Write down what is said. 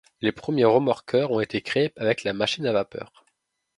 Les premiers remorqueurs ont été créés avec la machine à vapeur.